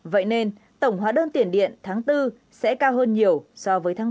vậy nên tổng hóa đơn tiền điện tháng bốn sẽ cao hơn nhiều so với tháng ba